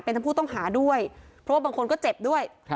เป็นทั้งผู้ต้องหาด้วยเพราะว่าบางคนก็เจ็บด้วย